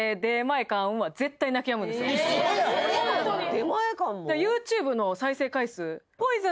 出前館も？